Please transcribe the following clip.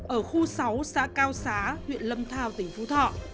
ở khu sáu xã cao xá huyện lâm thao tỉnh phú thọ